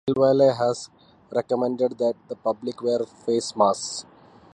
Del Valle has recommended that the public wear face masks.